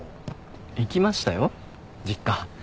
行きましたよ実家。